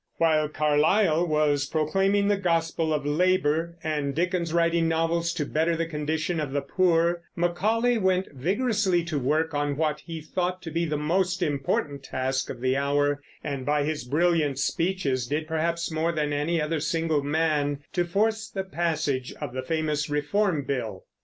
While Carlyle was proclaiming the gospel of labor, and Dickens writing novels to better the condition of the poor, Macaulay went vigorously to work on what he thought to be the most important task of the hour, and by his brilliant speeches did perhaps more than any other single man to force the passage of the famous Reform Bill.